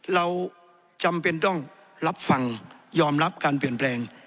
เราจำเป็นต้องรับฟังยอมรับการเปลี่ยนแปลง